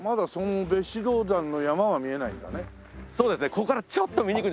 ここからちょっと見にくいです。